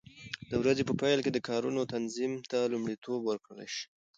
د ورځې په پیل کې د کارونو تنظیم ته لومړیتوب ورکړل شي.